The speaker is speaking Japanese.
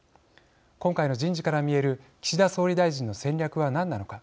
今回の人事から見える岸田総理大臣の戦略は何なのか。